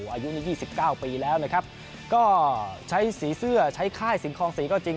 อายุ๒๙ปีแล้วนะครับก็ใช้สีเสื้อใช้ค่ายสิงคลองศรีก็จริง